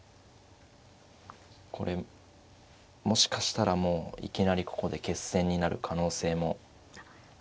これもしかしたらもういきなりここで決戦になる可能性もあります。